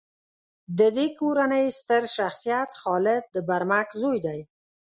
د دې کورنۍ ستر شخصیت خالد د برمک زوی دی.